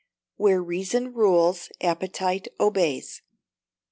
[WHERE REASON RULES APPETITE OBEYS.